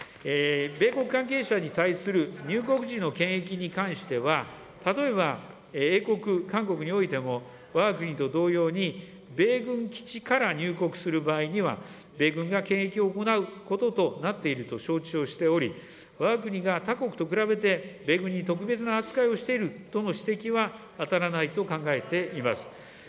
米国関係者に対する入国時の検疫に関しては、例えば、英国、韓国においても、わが国と同様に米軍基地から入国する場合には、米軍が検疫を行うこととなっていると承知をしており、わが国が他国と比べて米軍に特別な扱いをしているとの指摘は当たらないと考えています。